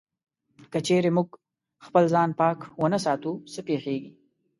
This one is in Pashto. که چېرې موږ خپل ځان پاک و نه ساتو، څه پېښيږي؟